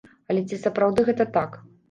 Але ці сапраўды гэта так?